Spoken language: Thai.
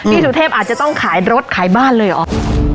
สุเทพอาจจะต้องขายรถขายบ้านเลยเหรอ